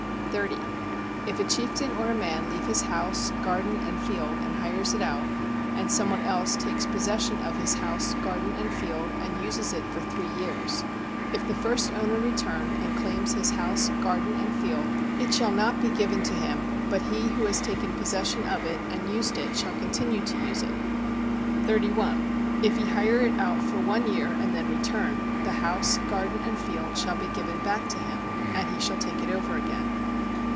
30. If a chieftain or a man leave his house, garden and field and hires it out, and some one else takes possession of his house, garden and field and uses it for three years: if the first owner return and claims his house, garden and field, it shall not be given to him, but he who has taken possession of it and used it shall continue to use it. 31. If he hire it out for one year and then return, the house, garden and field shall be given back to him, and he shall take it over again.